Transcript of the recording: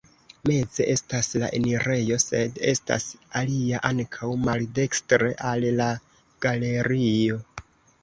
Meze estas la enirejo, sed estas alia ankaŭ maldekstre al la galerio.